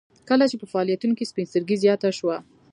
کله چې په فعالیتونو کې سپین سترګي زیاته شوه